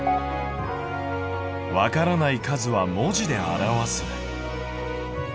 「わからない数は文字で表す」。